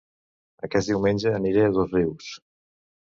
Aquest diumenge aniré a Dosrius